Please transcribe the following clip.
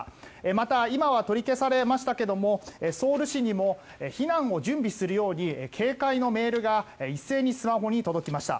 また、今は取り消されましたがソウル市にも避難を準備するように警戒のメールが一斉にスマホに届きました。